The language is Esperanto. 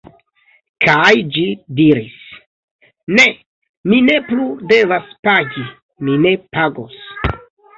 Kaj ĝi diris: ne, mi ne plu devas pagi, mi ne pagos.